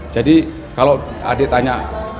jadi kalau adik tanya